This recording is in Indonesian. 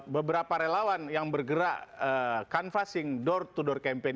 beberapa relawan yang bergerak canvasing door to door campaign